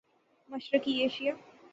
مشرقی ایشیا